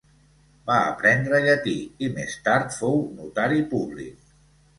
Va aprendre llatí i més tard fou notari públic.